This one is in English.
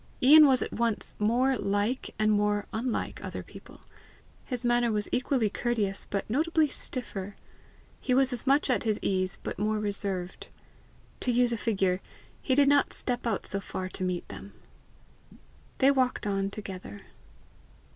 Ian was at once more like and more unlike other people. His manner was equally courteous, but notably stiffer: he was as much at his ease, but more reserved. To use a figure, he did not step out so far to meet them. They walked on together.